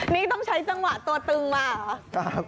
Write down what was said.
นี่ต้องใช้จังหวะตัวตึงมาเหรอ